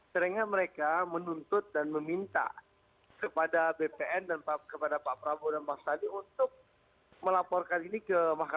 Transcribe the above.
seringnya mereka menuntut dan meminta kepada bpn kepada pak prabowo dan bang sandi untuk melaporkan ini ke mahkamah